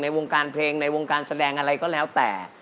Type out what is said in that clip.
วงการเพลงในวงการแสดงอะไรก็แล้วแต่